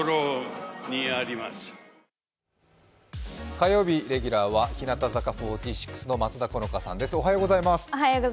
火曜日レギュラーは日向坂４６の松田好花さんです。